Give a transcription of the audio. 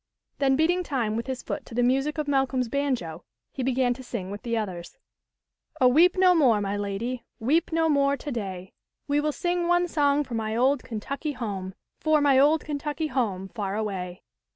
Then beating time with his foot to the music of Malcolm's banjo, he began to sing with the others :'' Oh, weep no more, my lady, weep no more to day. We will sing one song for my old Kentucky home, For my old Kentucky home far away.'